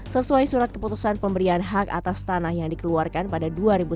sesuai surat keputusan pemberian hak atas tanah yang dikeluarkan pada dua ribu sembilan belas